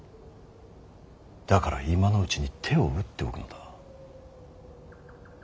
だから今のうちに手を打っておくのだ。